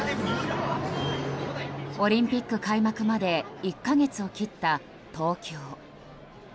オリンピック開幕まで１か月を切った東京。